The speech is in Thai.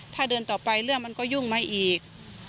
ถ้าเดินต่อไปเรื่องมันก็ยุ่งมาอีก